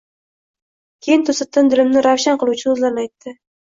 Keyin to’satdan dilimni ravshan qiluvchi so’zlarni aytdi.